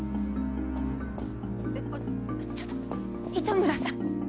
えっあっちょっと糸村さん。